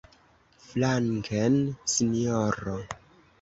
Flanken, sinjoro!